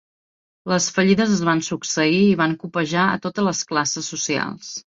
Les fallides es van succeir i van copejar a totes les classes socials.